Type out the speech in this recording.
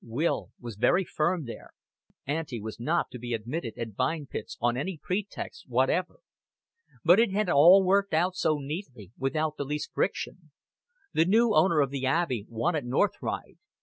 Will was very firm there: Auntie was not to be admitted at Vine Pits on any pretext whatever. But it had all worked out so neatly, without the least friction. The new owner of the Abbey wanted North Ride.